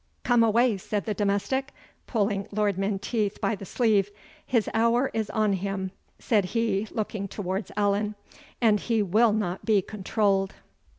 "Come away," said the domestic, pulling Lord Menteith by the sleeve; "his hour is on him," said he, looking towards Allan, "and he will not be controlled."